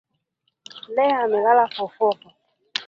Leah amela fofofo